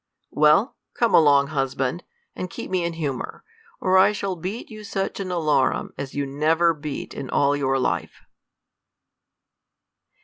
Weil, come along, husband, and keep me in humour, or I >hall beat you such an alarum as you never h(^.i in all vnv.v life.